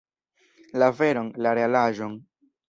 La veron, la realaĵon!